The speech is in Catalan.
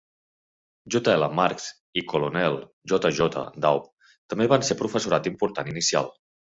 J. L. Marks i Colonel J. J. Daub també van ser professorat important inicial.